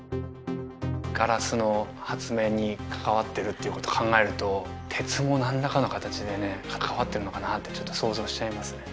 ガラスの発明に関わってるっていうこと考えると鉄も何らかの形でね関わってるのかなってちょっと想像しちゃいますね